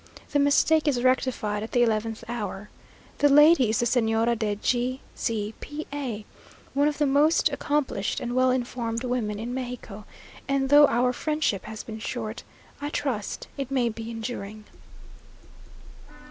The mistake is rectified at the eleventh hour. The lady is the Señora de G z P a, one of the most accomplished and well informed women in Mexico; and though our friendship has been short, I trust it may be enduring.